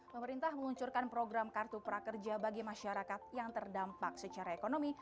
pemerintah meluncurkan program kartu prakerja bagi masyarakat yang terdampak secara ekonomi